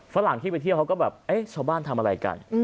ฝรั่งที่ไปเที่ยวเขาก็แบบเอ๊ะชาวบ้านทำอะไรกัน